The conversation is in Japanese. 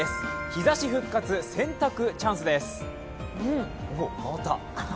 日ざし復活、洗濯チャンスです。